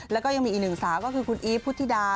แล้วก็ยังมีอีกหนึ่งสาวก็คือคุณอีฟพุทธิดา